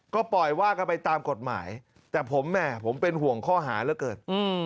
ก็ปล่อยว่ากันไปตามกฎหมายแต่ผมแหมผมเป็นห่วงข้อหาเหลือเกิน